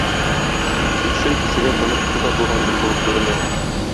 Шикчел кешегә тонык су да болганчык булып күренә.